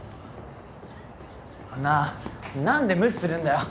なあ何で無視するんだよ